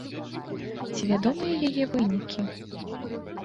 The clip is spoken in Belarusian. Ці вядомыя яе вынікі?